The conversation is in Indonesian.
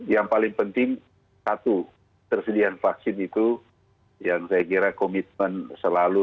yang paling penting satu tersediaan vaksin itu yang saya kira komitmen selalu